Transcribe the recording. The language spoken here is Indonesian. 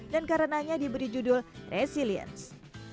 dan karenanya diberi judul resilience